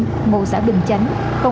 bộ xã bình chánh